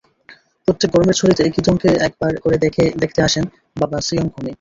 প্রত্যেক গরমের ছুটিতে কীতংকে একবার করে দেখতে আসেন বাবা সিয়ং খুমী।